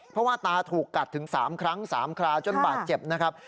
เพราะว่าตาถูกกัดถึง๓ครั้ง๓คราวจนบาดเจ็บนะครับ